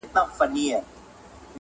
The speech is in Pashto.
چې دا غوښتني بدې منې